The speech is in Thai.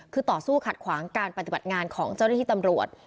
คือต่อสู้ขัดขวางการปฏิบัติงานของเจ้าหน้าที่ตำรวจ